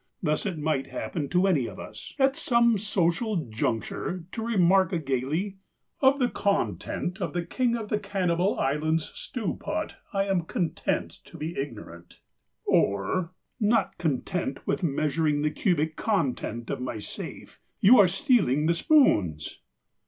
Thus, it might happen to any of us, at some social juncture, to remark gaily, "Of the content of the King of the Cannibal Islands' Stewpot I am content to be ignorant"; or "Not content with measuring the cubic content of my safe, you are stealing the spoons."